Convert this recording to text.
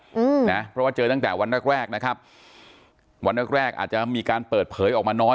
อืมนะเพราะว่าเจอตั้งแต่วันแรกแรกนะครับวันแรกแรกอาจจะมีการเปิดเผยออกมาน้อย